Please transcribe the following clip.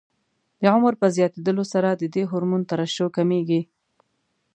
د عمر په زیاتېدلو سره د دې هورمون ترشح کمېږي.